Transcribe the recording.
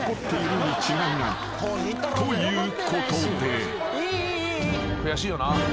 ［ということで］